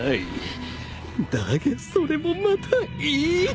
だがそれもまたいい。